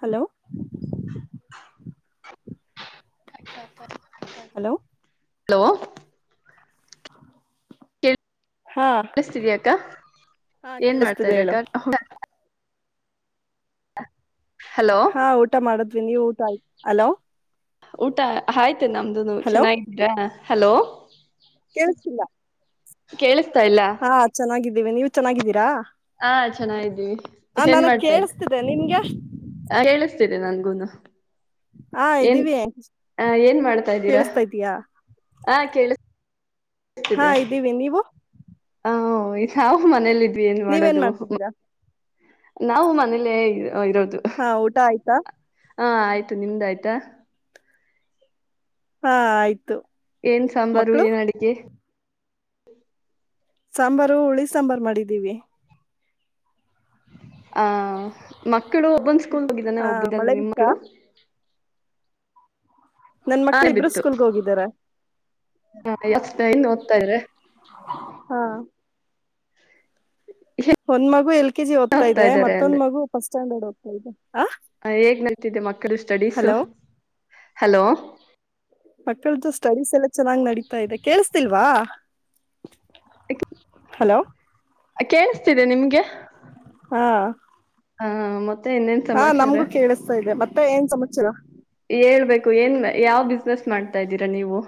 Hello hello hello ಹಾ ಕಳಿಸ್ತಿದಕ್ಕ ಹಾ ಏನ್ ಕೇಳಿಸ್ತಿದೆ ಮಾಡ್ತಾರಕ್ಕ ಹೇಳು ಹಲೋ ಹಾ ಊಟ ಮಾಡದು ನೀವು ಊಟ ಹಲೋ ಊಟ ಆಯ್ತು ಮೆ ನಮ್ದನು ಚೆನ್ನಾಗಿದ್ದೀರಾ ಹಲೋ ಕೇಳಿಸತಿಿಲ್ಲ ಕೇಳಸ್. ಹಾ ಚೆನ್ನಾಗಿದ್ದೀವಿ ನೀವು ಚೆನ್ನಾಗಿದ್ದೀರಾ. ಹಾ ಚೆನ್ನಾಗಿದ್ದೀವಿ ಆ ಹೆನ್ ನನಗ್ ಮಾಡ್ತಾ ಇದ್. ಕೇಳಿಸ್ತಿದೆ ನಿಮ್ಗೆ ಕೇಳುಸ್ತಿದೆ ನನ್ಗೂನು. ಹಾ ಏನ್ ಇದೀವಿ ಹ ಏನ್ ಮಾಡ್ತಾ ಇದ್ದೀರಾ ಕೇಳಿಸ್ತಾ ಇದೀಯಾ ಆ ಕೇಳ ಹಾ ಇದ್ದೀವಿ ನೀವು. ಹ ಈ ಯಾವ್ ಮನೆಲಿ ಏನ್ ನೀವೇನ್ ಮಾಡೋದು. ಮಾಡ್ತಿದ್ದೀರಾ ನಾವು ಮನೇಲೆ ಇ ಹಾ ಊಟ ಆಯ್ತಾ. ಹಾ ಆಯ್ತು ನಿಮ್ದ ಆಯ್ತಾ. ಹಾ ಆಯ್ತು. ಏನ್ ಸಾಂಬಾರು ಮಕ್ಕಳು ಏನ್ ಅಡಿಗೆ. ಸಾಂಬಾರು ಹುಳಿ ಸಾಂಬರ್ ಮಾಡಿದೀವಿ. ಆ ಮ ಮಕ್ಕಳು ಒಬ್ಬೊನ್ ಸ್ಕೂಲ್ ಹೋಗಿದ್ದಾನೆ ಆ ಒಬ್ಬ [inaudible] ಮಳೆ ನಿಮ್ಮ ಬಿತ್ತಾ ಮಕ್ಳು. ನನ್ ಮಕ್ಳ ಆನೆ ಇಬ್ರು ಬಿತ್ತು ಸ್ಕೂಲ್ಗ ಹೋಗಿದಾರೆ. ಯಾವ [inaudible] ಹಾ ಒಂದ್ ಮಗು ಎಲ್. ಕೆಜಿ ಓದ್ತಾ ಇದೆ ಮತ್ತೊಂದಮಗು ಪಾಸ್ಟ್ ಸ್ಟ್ಯಾಂಡರ್ಡ್ ಹೋಗ್ತ ಇದೆ. ಆ ಹ ಹೇಗ್ [inaudible] ಮಕ್ಳು ಸ್ಟಡೀಸು. Hello hello. ಮಕ್ಕಳ್ದ ಸ್ಟಡೀಸ್ ಎಲ್ಲ ಚೆನ್ನಾಗಿ ನಡೀತಾ ಇದೆ ಕೇಳಸ ತಿಲ್ವಾ. ಹಲೋ. ಕೇಳಿಸ್ತಿದೆ ನಿಮ್ಗೆ. ಹಾ. ಹಾ ಮ ಹಾ ನಮ್ಗೂ ಕೇಳಿಸ್ತಾ ಇದೆ ಮತ್ತೆ ಏನ್ ಸಮಾಚಾರಾ. ಹೇಳ್ಬೇಕು ಏನ್ ಯಾವ್ ಬಿಸ್ನೆಸ್ ಮಾಡ್ತಾ ಇದ್ದೀರಾ ನೀವು.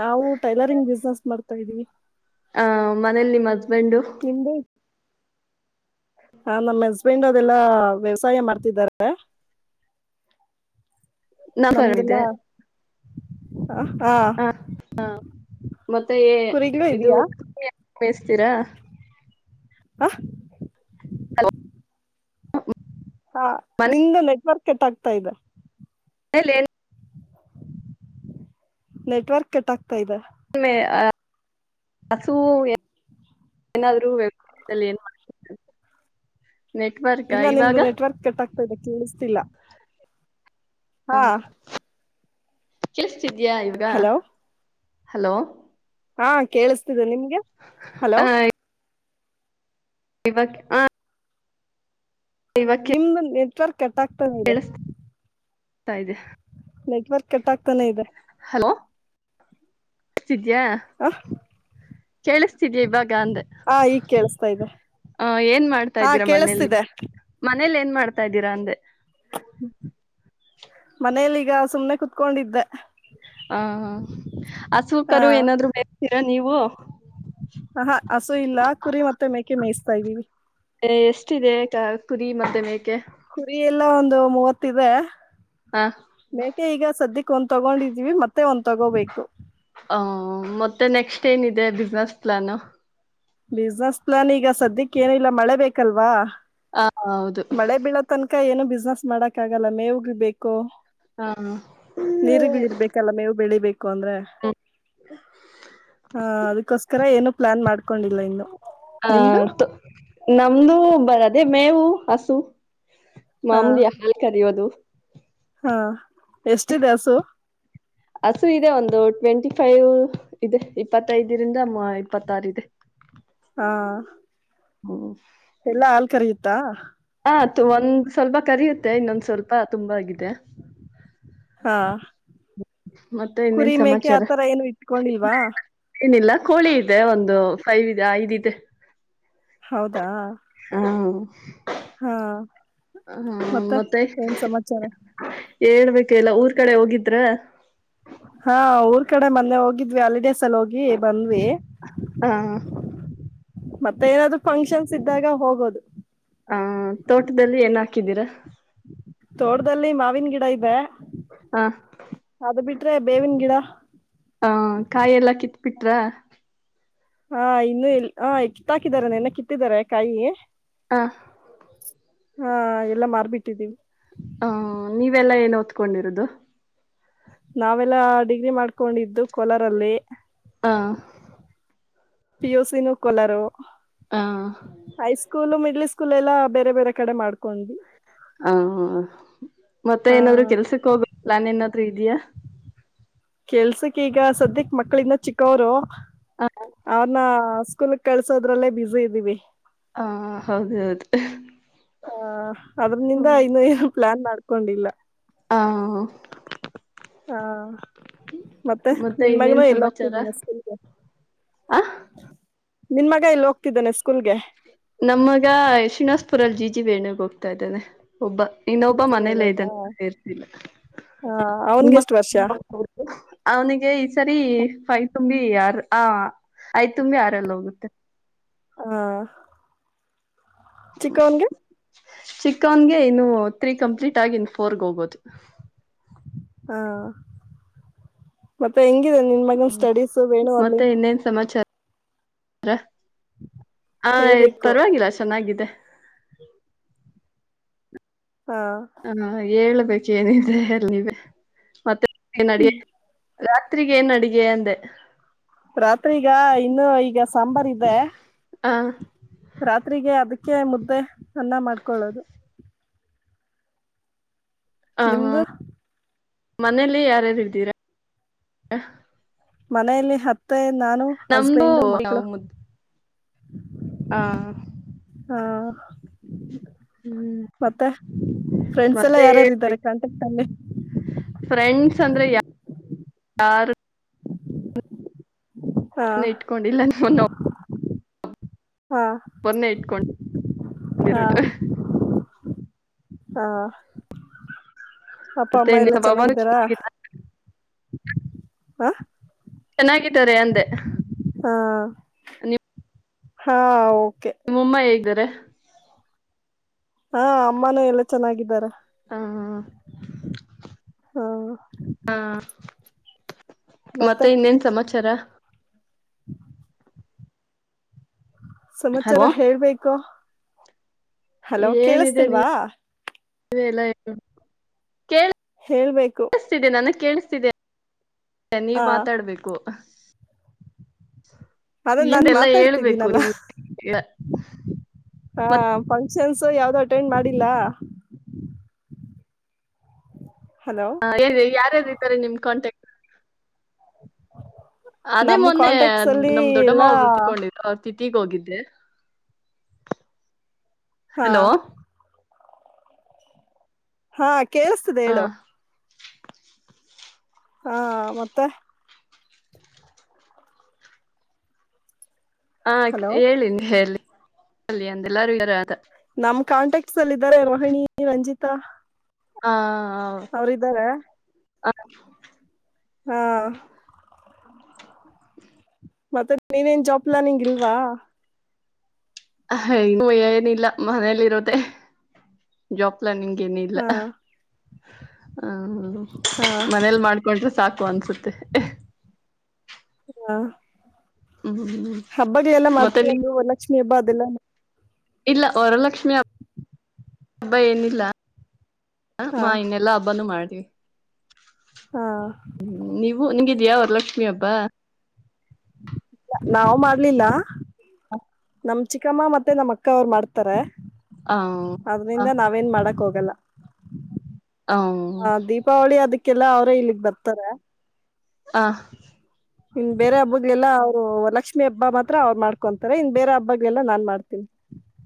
ನಾವು ಟೈಲರಿಂಗ್ ಬಿಸ್ನೆಸ್ ಮಾಡ್ತೀನಿ ತಾಯಿದಿ ಹ ಮನೇಲಿ ನಿಮಜ್ಜ್ ಬೆಂಡು ನಿಮ್ದು ಹ ನಮ್ಮ ಹಸ್ಬೆಂಡ್ ಅದೆಲ್ಲಾ ವ್ಯವಸಾಯ ಮಾಡ್ತಿದಾರೆ ನಾ ಪರಮಿದೆ ನಮ್ದೆಲ್ಲಾ ಹ ಹ ಮತ್ತೆ ಕುರಿಗ್ಲೂ ಇದು ಇದೆಯಾ ಬೇಯಿಸ್ತೀರಾ ಹ ಹಾ ನಿಂದ ನೆಟ್ವರ್ಕ್ ಕೆಟ್ಟಾಗ್ತಾ ಇದೆ ಹಲೆನ್ ನೆಟ್ವರ್ಕ್ ಕೆಟ್ ಆಗ್ತಾ ಇದೆ ಒ ಹಸು ಏನಾದ್ರೂ ವದಲ್ಲಿ ಏನ್ಮಾಡ್ತೀರಾ ಇಲ್ಲ ನಿಮ್ದು ನೆಟ್ವರ್ಕ್ ಕಟ್ ಆಗ್ತಾ ಇದೆ ಕೇಳಸ ತಿಲ ಹಾ ಚಷ್ಟ ದಿದ್ಯಾ ಈವಗ ಹಲೋ ಹಲೋ ಹಾ ಕೇಳಿಸ್ ಕೇಳಿಸ್ ನಿಮ್ಗೆ ಹಲೋ ಇವಕ್ ಹ ಇವಾಗ ನಿಮ್ದನ್ ಕಟ್ಟಾಗ್ತಾನಿದೆ ತ ಇದೆ ನೆಟ್ವರ್ಕ್ ಕೆಟ್ಟಾಗಗ್ತಾನೆ ಇದೆ ಹಲೋ ಸಿದ್ಯಾ ಹ ಕೇಳಿಸ್ತಿದೆ ಇವಾಗ್ ಗಾ ಅಂದೆ ಹಾ ಈಗ್ ಕೇಳಸ್ತಾ ಇದೆ ಏನ್ ಮಾಡ್ತಾ ಹಾ ಇದ್ದೀರಾ ಮನೇಲಿ ಕೇಳಿಸ್ತಿದೆ ಮನೇಲಿ ಏನ್ ಮಾಡ್ತ ತ ಇದಿರಾ ಅಂದೆ ಮನೇಲಿ ಈಗ ಸುಮ್ನೆ ಕೂತ್ಕೊಂಡಿದ್ದೆ ಹ ಅಸುಕರು ಹ ಏನಾದ್ರು ಮೇಯಿಸ್ತೀರಾ ನೀವು ಹ ಹಾ. ಹಸು ಇಲ್ಲ ಕುರಿ ಮತ್ತೆ ಮೇಕೆ ಮೇಸ್ ಪವಿವಿ ಪ. ಅರೆ ಎಷ್ಟಿದೆ ಕುರಿ ಮತ್ತೆ ಮೇಕೆ. ಕುರಿ ಎಲ್ಲಾ ಒಂದು ಮೂವತ್ತಿವೆ ಹ ಮೇಕೆ ಈಗ ಸದ್ಯಕ್ಕೆ ಒಂದ್ ತಗೊಂಡಿದೀವಿ ಮತ್ತೆ ಒಂದ್ ತಗೋಬೇಕು. ಹಾ-ಹಾ ಮತ್ತೆ ನೆಕ್ಸ್ಟ್ ಏನಿದೆ ಬಿಸ್ನೆಸ್ ಪ್ಲಾನ್. ಬಿಸ್ನೆಸ್ ಪ್ಲಾನ್ ಈಗ ಸದ್ಯಕ್ಕೆ ಏನಿಲ್ಲ ಮಳೆ ಬೇಕಲ್ವಾ ಹ ಹೌದು ಮಳೆ ಬೀಳೋ ತನಕ ಏನು ಬಿಸ್ನೆಸ್ ಮಾಡಕ್ಕ ಆಗಲ್ಲ ಮೇವುಗಳ್ ಬೇಕು. ಹ ನೀರಿಗು ಇರ್ಬೇಕಲ್ಲ ಮೇವು ಬೆಳಿಬೇಕು [unintelligible] ಅಂದ್ರೆ ಹಾ ಅದಕ್ಕೋಸ್ಕರ ಏನು ಪ್ಲಾನ್ ಮಾಡ್ಕೊಂಡಿಲ್ಲ ಇನ್ನು ಹ ನಿಮ್ದು ನಮ್ದು ಬರದೇ ಮೇವು ಹಸು ಹ ಮಾಮೂಲಿ ಹಾಲ್ಕರಿಯದು ಹಾ ಎಷ್ಟಿದೆ ಹಸು ಹಸು ಇದೆ ಒಂದು ಟ್ವೆಂಟಿ ಫೈವ್ ಇದೆ ಇಪ್ಪತ್ತೈದರಿಂದ ಇಪ್ಪತ್ತಾರು ಇದೆ. ಹಾ ಹ್ಮ ಎಲ್ಲಾ ಹಾಲ್ ಕರಿಯುತ್ತಾ. ಹಾ ಒಂದ್ ಸ್ವಲ್ಪ ಕರಿಯುತ್ತೆ ಇನ್ನೊಂದ್ ಸ್ವಲ್ಪ ತುಂಬಾಗಿದೆ. ಹಾ [inaudible] ಇನ್ನೇನ್ ಕುರಿ ಮೇಕೆ ಸಮಾಚಾರ ಆತರ ಏನು ಇಟ್ಕೊಂಡಿಲ್ವಾ. ಏನಿಲ್ಲ ಕೋಳಿ ಇದೆ ಒಂದು ಫೈವ್ ಇದೆ ಐದ್ ಇದೆ. ಹೌದಾ ಉಮ್. ಹಾ ಹ-ಹ-ಹ ಮತ್ತೆ ಏನ್ ಸಮಾಚಾರ ಹೇಳ್ಬೇಕ್ ಎಲ್ಲ ಊರ್ ಕಡೆ ಹೋಗಿದ್ರ ಹಾ ಊರ್ ಕಡೆ ಮನ್ನೆ ಹೋಗಿದ್ [unintelligible] ಸಲ ಹೋಗಿ ಬಂದ್ವಿ ಹ ಮತ್ತೆ ಏನಾದ್ರು ಫಂಕ್ಷನ್ಸ್ ಇದ್ದಾಗ ಹೋಗೋದು. ಹಾ ತೋಟದಲ್ಲಿ ಏನ್ ಹಾಕಿದ್ದೀರಾ ತೋಟದಲ್ಲಿ ಮಾವಿನ ಗಿಡ ಇವೆ. ಹಾ. ಬಿಟ್ರೆ ಬೇವಿನ ಗಿಡ ಹ ಕಾಯೆಲ್ಲಾ ಕಿತ್ ಬಿಟ್ರ ಹಾ ಇನ್ನುೂ ಇಲ್ ಹ ಕಿತ್ತಾಕಿದ್ದಾರೆ ನೆನ್ನೇ ಕಿತ್ತಿದರೆ ಕಾಯಿ. ಆ ಹಾ ಎಲ್ಲ ಮಾರ್ಬಿಟ್ಟಿದ್ದೀವಿ. ಆ ನೀವೆಲ್ಲಾ ಏನ್ ಓತ್ಕೊಂಡಿರೋದು. ನಾವೆಲ್ಲಾ ಡಿಗ್ರಿ ಮಾಡ್ಕೊಂಡಿದ್ದು ಕೋಲಾರಲ್ಲಿ. ಆ ಪಿಯುಸಿ ನೂ ಕೋಲಾರು. ಹ ಹೈ ಸ್ಕೂಲ್ ಮಿಡ್ಲಿ ಸ್ ಸ್ಕೂಲ್ ಎಲ್ಲಾ ಬೇರೆ ಬೇರೆ ಕಡೆ ಮಾಡ್ಕೊಂಡ್ವಿ. ಹಾ ಹಾ ಮತ್ತೆ ಏನಾದ್ರು ಹಾ ಕೆಲ್ಸಕ್ ಹೋಗ್ ಪ್ಲಾನ್ ಏನಾದ್. ಪ್ರೀತಿಯಾ ಕೆಲ್ಸಕ್ ಈಗ ಸದ್ಯಕ್ ಮಕ್ಳಿನ್ನು ಚಿಕ್ಕೊರು. ಹ ಅವನ್ನ [unintelligible] ಸ್ಕೂಲೀಗ್ ಕಳ್ಸೋದ್ರಲ್ಲೇ ಬಿಸಿ ಇದ್ದೀವಿ. ಹಾ ಹೌದ ಹೌದ. ಹ ಅದ್ರನಿಂದ ಇನ್ನು ಏನ್ ಪ್ಲಾನ್ ಮಾಡ್ ಇಕೊಂಡಿಲ್ಲ ಹ ಹಾ ಮತ್ತೆ ನಿನ್ ಮಗನೂ ಇನ್ನೇನ್ ಎಲ್ಲಿ ಸಮಾಚಾರ ಹೋಗ್ತಿದ್ದಾನೆ ಸ್ಕೂಲ್ಗೆ. ಆ ನಿನ್ ಮಗ ಎಲ್ ಹೋಗ್ತಿದ್ದಾನೆ ಸ್ಕೂಲ್ಗೆ. ನಮ್ಮಗ ಶ್ರೀನಿವಾಸಪುರಲ್ಲಿ ಜಿಜಿಬ [unintelligible] ಎಣ್ಣ ಹೋಗ್ತಾ ಇದ್ದಾನೆ. ಒಬ್ಬ ಇನ್ನೊಬ್ಬ ಮನೇಲ್ಲೇ ಇದನೇ ಸೇರ್ಸಿಲ್ಲ ಅವನ್ಗೆ ನಿಮ್ ಎಷ್ಟು ವರ್ಷ [unintelligible] ಅವ್ನಗೆ ಸರೀ [unintelligible] ತುಂಬಿ ಆರ್ ಆ ಐದ್ ತುಂಬಿ ಆರಲ್ ಹೋಗುತ್ತೆ. ಹಾ. ಚಿಕವನ್ಗೆ. ಚಿಕವನ್ಗೆ ಇನ್ನು ತ್ರೀ ಕಂಪ್ಲೀಟ್ ಆಗಿ ಇನ್ ಫೋರ್ಗೆ ಹೋಗೋದು. ಹಾ ಮತ್ತೆ [unintelligible] ನಿನ್ ಮಗನ್ ಸ್ಟಡೀಸ್ ವೇಣು [unintelligible] ಹ್ ಆ ಹೇಳ್ಬೇಕು ಪರವಾಗಿಲ್ಲ ಚೆನ್ನಾಗಿದೆ. ಆ ಹಾ ಹೇಳ್ [unintelligible] [unintelligible] ಏನಿದೆ ಎಲ್ಲಿವ ಮತ್. ಏ ನಡಿಯೆ ರಾತ್ರಿಗೆ ಏನ್ ಅಡಗೆ ಅಂದೆ. ರಾತ್ರಿಗ ಇನ್ನು ಈಗ ಸಾಂಬಾರಿದೆ. ಹಂ ರಾತ್ರಿಗೆ ಅದಕ್ಕೆ ಮುದ್ದೆ ಅನ್ನ ಮಾಡ್ಕೊಳ್ಳೋದು ಆ ನಿಮ್ದು ಮನೇಲಿ ಯಾರ್ಯಾರು್ದೀರಾ ಮನೇಲಿ ಹತ್ತೆ ನಾನು ನಮ್ದು ಹಸ್ಬೆಂಡ್ ಮಕ್ಕಳು ಹಾ ಹಾ ಹ್ಮ್ ಮತ್ತೆ ಫ್ರೆಂಡ್ಸ್ ಎಲ್ಲ ಮತ್ತೆ ಯಾರಾರು ಇದಾರೆ ಹೇಳ್ಬೇಕು ಕಾಂಟ್ಯಾಕ್ಟ್ ಅಲ್ಲಿ ಫ್ರೆಂಡ್ಸ್ ಅಂದ್ರೆ ಯ ಯಾರು ಆ, ನ ಇಟ್ಕೊಂಡಿಲ್ಲ ನೀ ನ ಹಾ ಹಾ ಇಟ್ಕೊಂಡಿರೋದು ಹಾ ಅಪ್ಪ ಮತ್ತೆ ಅಮ್ಮ ಎಲ್ಲಾ ಇನ್ನೇನ್ ಪವನು ಚೆನ್ನಾಗಿದ್ದಾರಾ ಚೆನ್ನಾಗಿದ್ದಾನೆ ಹಾ ಚೆನ್ನಾಗಾರೆ ಅಂದೆ ಆ, ನೀವು್ ಹಾ ಓಕೆ ಹ ಹಾ ಅಮ್ಮನ ಎಲ್ಲ ಚೆನ್ನಾಗಿದ್ದಾರ ಆ ಹಾ ಮತ್ತೆ ಇನ್ನೇನ್ ಸಮಾಚಾರ ಹ್ಮ ಸಮಾಚಾರ ಹಲೋ ಹೇಳ್ಬೇಕು ಹಲೋ ಕೇಳಿಸತಿಲ್ವಾ ಅ ಎಲ್ಲ ಇು ಕೇಳ ಹೇಳ್ಬೇಕು ಕೇಳ್ತಿದೆಿ ನನಗ್ ಕೇಳಿಸ್ತಿದೆ ಅೆ ನೀವ್ ಆ ಮಾತಾಡ್ಬೇಕು ಅದೇ ನಾನ್ ಲ್ಲಾ ಹೇಳ್ಬೇಕು ಮಾತಾಡ್ತಿದ್ದೀನಲ್ಲ ಹಾ ಮತ್ತೆ ಫಂಕ್ಷನ್ ಸೊ ಯಾವ್ದು ಅಟೆಂಡ್ ಮಾಡಿಲ್ಲ ಹಲೋ ಹ ಯಾರದಾರೆ ನಿಮ್ ಕಾಂಟಕ್ಟ್ ಹೌ ಅದೇ ಮೊನ್ನೆ ಅಲ್ಲಿ ನಮ್ ದೊಡ್ಡಮ್ಮ ಎಲ್ಲ ಒಬ್ರು ತೀರಿಕೊಂಡಿದ್ದು ತಿಥಿಗಿ ಹೋಗಿದ್ದೆ ಹಾ ಹಲೋ ಹಾಗಾ ಕೇಳಿಸುತ್ತದೆ ಹ ಹೇಳು ಹಾ ಮತ್ತೆ ಹಾ ಹಲೋ ಹೇಳಿನಿ ಹೇಳಿ ಅಲ್ಲಿ ಅಂದೆಲ್ಲಾರೂರು ನಮ್ ಕಾಂಟ್ಯಾಕ್ಟ್ಸ್ ಅಲ್ಲಿ ಇದಾರೆ ವಾಣಿ ರಂಜಿತಾ ಹಾ ಅವ್ರ್ದಾರೆ ಹ ಹ್ಮ ಹ ಮತ್ತೆ ನೀವೇನ್ ಜಾಬ್ ಪ್ಲಾನಿಂಗ್ ಇಲ್ವಾ ಹಯ ಏನಿಲ್ಲ ಮನೇಲಿ ಇರದ ಜಾಬ್ ಅಲ್ಲ ನಿಮಗೇನ ಇಲ್ಲ ಹಾ ಹ್ಮ ಹಾ ಮನೇಲ್ ಮಾಡ್ಕೊಂಡ್ರೆ ಸಾಕು ಅನ್ಸುತ್ತೆ ಹಾ ಹ್ಮ್ ಹಬ್ಬದಿಯಲ್ಲ ಮತ್ತೆ ಮಾಡ್ತೀವ ಅಲ್ಲಿ ನೀವು ವರಲಕ್ಷ್ಮಿ ಹಬ್ಬ ಅದೆಲ್ಲ ಇಲ್ಲ ವರಲಕ್ಷ್ಮಿ ಅ ಹಬ್ಬ ಏನಿಲ್ಲ ಹ ಹಾ ಮಾ ಇನ್ನೆಲ್ಲಾ ಹಬ್ಬಾನ ಮಾಡ್ತ ನಿ ಹಾ ಹ್ಮ್ ನೀವು ನಿನ್ಗಿದ್ಯಾವ ಲಕ್ಷ್ಮಿ ಹಬ್ಬ ನಾವವು ಮಾಡ್ಲಿಲ್ಲ ಹ ನ ಚಿಕ್ಕಮ್ಮ ಮತ್ತೆ ನಮ್ಮ ಅಕ್ಕ ಅವ್ರು ಮಾಡ್ತಾರೆ ಅದ್ರಿಂದ ನಾವೇನ್ ಮಾಡಕ್ ಹೋಗ್ಲಿ ಕಲ ಹ ಹ ಹಾ ದೀಪಾವಳಿ ಅದಕ್ಕೆ ಕ್ಕೆಲ್ಲ ಅವ್ರೇ ಇಲ್ಲಿಗ್ ಬರ್ತಾರ ಹ ಇನ್ ಬೇರೆ ಹಬ್ಬಗ್ಲೆಲ್ಲಾ ಅವರು ಲಕ್ಷ್ಮೀ ಹಬ್ಬ ಮಾತ್ರ ಅವ್ರು ಮಾಡ್ಕೊಂತಾರೆ ಇನ್ ಬೇರೆ ಹಬ್ಬಗ್ಲೆಲ್ಲ ನಾನ್ ಮಾಡ್ತೀನಿ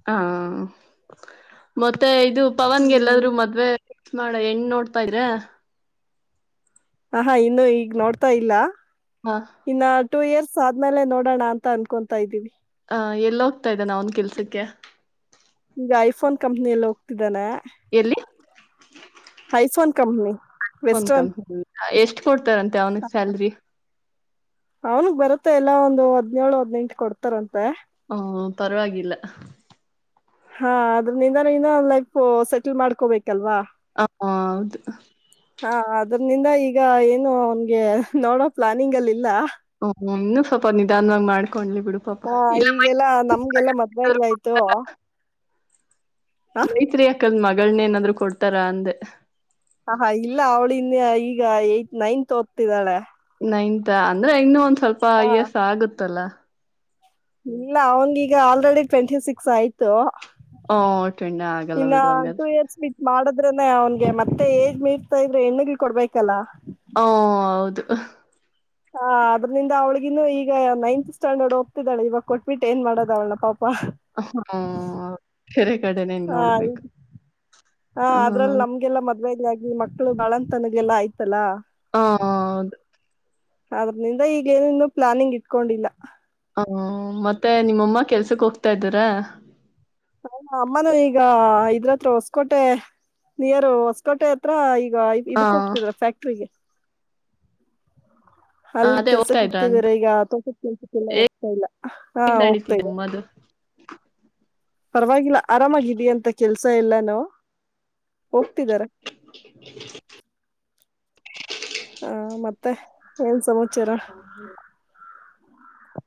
ಹಾ ಮತ್ತ ಮತ್ತೆ ಇದು ಪವನ್ ಹ್ಮ್ ಗೆಲ್ಲಾದ್ರು ಮದ್ವೆ ಮಾಡ ಎಣ ನೋಡ್ತಾ ಇದ್ರ ಹ ಹಾ ಇನ್ನು ಈಗ್ ನೋಡ್ತಾ ಇಲ್ಲ ಹ ಇನ್ನ ಟು ಇಯರ್ಸ್ ಆದ್ಮೇಲೆ ನೋಡೋಣ ಅಂತ ಅನ್ಕೊತಾ ಇದ್ದೀವಿ ಹ ಎಲ್ಲ ಹೋಗ್ತಾ ಇದದೆ ನ ಅವನ್ ಕೆಲ್ಸಕ್ಕೆ ಈಗ ಐಫೋನ್ ಕಂಪ್ನ ಎಲ್ಲ ಹೋಗ್ತಿದ್ದಾನೆ ಎಲ್ಲಿ ಐಫೋನ್ ಕಂಪನಿ ಒಕ ಎಷ್ಟ [inaudible] ಸಿಗ್ತಾದಂತೆ ಅವ್ನಿಗೆ ಸ್ಯಲ್ರಿ ಅವನಗ್ ಬರತ್ತೆ ಎಲ್ಲಾ ಒಂದು ಹದ್ನೇಳು ಹದ್ನೆನೆಂಟು ಕೊಡ್ತಾರಂತೆ ಹ್ಮ ಪರವಾಗಿಲ್ಲ ಹಾ ಅದ್ರ ನಿಂದಾನಾ ಅವನ್ ಲೈಫ್ ಸೆಟಲ್ ಮಾಡ್ಕೋಬೇಕಲ್ವಾ ಹ ಹೌದು ಅಂದ ಈಗ ಏನು ಅವನ್ಗೆ ನೋಡೋ ಪ್ಲಾನಿಂಗ್ ಅಲ್ಲಿ ಇಲ್ಲ ಓ ಹ್ಮ ಇನ್ನು ಸ್ವಲ್ಪ ನಿಧಾನವವಾಗಿ ಮಾಡಿ ಹಾ ಈಗೆಲ್ಲಾ ನಮ್ಗೆಲ್ಲಾ ಮಧ್ವೆ ಆಗಿ ಆಯ್ತು ಸ್ನೇತ್ರಿ ತನ್ ಮಗಳನ್ನ ಏನಾದ್ರು ಕೊಡ್ತಾರ ಅಂದೆ ಹಹಾ ಇಲ್ಲ ಅವಳ ಇಿಂದ ಈಗ ಏತ್ ನೈನ್ತ್ ಓದ್ತಿದಾಳೆ ನತ್ ಅಂದ್ರೆ ಇ ಸ್ವಲ್ಪ ಹ ಎಸ ಆಗುತ್ತಲ್ಲ ಇಲ್ಲ ಅವನಿಗೀಗ ಆಲ್ರೆಡಿ ಟ್ವೆಂಟಿ ಸಿಕ್ಸ್ ಆಯ್ತು ಹೋ ಓಕೆ ಇನ್ನು ಆಗಲ್ಲ ಬಿಡುವ ಹಂಗಾಧ್ರೆ ಮಾಡದ್ರನ ಅವನ್ಗೆ ಮತ್ತೆ ಏಜ್ ಮೀರ್ತಾ ಇದ್ರೆ ಹೆಣ್ಣಗ್ ಕೊಡ್ಬೇಕಲ್ಲ ಹ ಹೌದು ಹಾ ಅದ್ರಿಂದ ಅವಳಗಿೂ ಈಗ ನೈನ್ತ್ ಸ್ಟ್ಯಾಂಡರ್ಡ್ ಹೋಗ್ತಿದ್ದಾಳ ಇವಾಗ ಕೊಟ್ಬಿಟ್ಟು ಏನ್ ಮಾಡೋದ ಅವ್ಳಪ್ಪಾ ಹ್ಮ ಕೆರೆ ಕಡೆನೆ ಹದು ನೋಡ್ಬೇಕು ಹ ಅದ್ರಲ್ಲಿ ನಮ್ಗೆಲ್ಲ ಮತ್ತ ಹಾಗಿ ಮಕ್ಕಳು ಬಾಳಂತನಗೆಲ್ಲ ಆಯ್ತಲ್ಲಾ ಹೌದು ಅದ್ರನಿಂದ ಈಗೇನ ಇನ್ನೂ ಪ್ಲಾನಿಂಗ್ ಇಟ್ಕೊಂಡಿಲ್ಲ ಹ್ಮ ಮತ್ತೆ ನಿಮ್ಮಮ್ಮ ಕೆಲ್ಸಕ್ ಹೋಗ್ತಾ ಇದ್ದೀಾರ ಹ ಅಮ್ಮನೂ ಈಗ ಇದ್ರತ್ರ ಹೊಸ್ಕೋಟೆ ನಿಯರ್ ಹೊಸ್ಕೋಟೆ ಹತ್ರ ಈಗ ಈಗ ಹ ಇದಕ್ ಹೋಗ್ತಿದ್ರಾ ಫ್ಯಾಕ್ಟ್ರಿಗೆ ಅಲ್ಲಿ ಅದೇ ಕೆಲ್ಸಕ್ ಇದ್ರ ಹೋಗ್ತಾ ಅಂತ ಇದಿದಾರೆ ಈಗ ಆ ತೋಟದ ಕೆಲ್ಸಕ್ಕೆ ಎಲ್ಲ ಹೋಗ್ತಾ ಇಲ್ಲ ಹಾ ಹೇಗ್ ನಡೀತಿದೆ ಹೋಗ್ತಾದೆ ಅಮ್ಮದು ಪರವಾಗಿಲ್ಲ ಆರಾಮಿದ ಅಂತ ಕೆಲ್ಸ ಸ ಇಲ್ಲನೋ ಹೋಗ್ತಿದಾರ ಏನ್ ಸಮಸ ಚರ ಹ